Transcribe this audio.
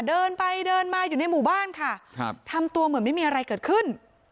เดินไปเดินมาอยู่ในหมู่บ้านค่ะครับทำตัวเหมือนไม่มีอะไรเกิดขึ้น